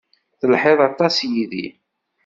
Telhiḍ aṭas yid-i.